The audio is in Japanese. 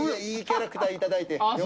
いいキャラクター頂いて。